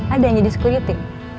ada yang jadi security